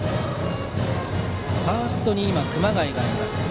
ファーストに熊谷がいます。